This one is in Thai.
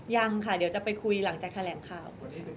ยังค่ะเดี๋ยวจะไปคุยหลังจากแถลงข่าว